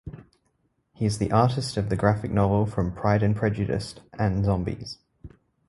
He is the artist of the Graphic novel from Pride and Prejudice and Zombies.